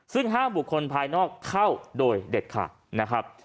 ซึ่ง๕บุคคลภายนอกเข้าโดยเด็ดค่ะ